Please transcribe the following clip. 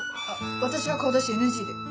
私は顔出しＮＧで。